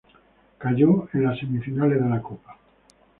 Cayó en las semifinales de la Copa.